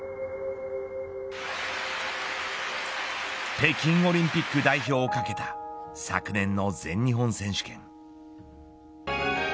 北京オリンピック代表をかけた昨年の全日本選手権。